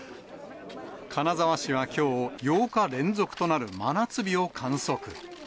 金沢市はきょう、８日連続となる真夏日を観測。